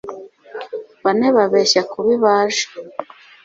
bane babeshya kubi baje